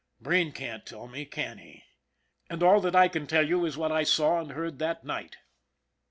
Breen can't tell me, can he? And all that I can tell you is what I saw and heard that night.